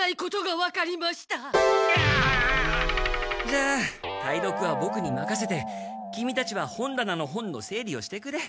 じゃあ解読はボクにまかせてキミたちは本だなの本の整理をしてくれ。